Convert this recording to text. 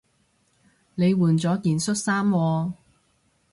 你換咗件恤衫喎